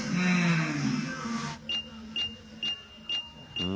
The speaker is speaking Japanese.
うん。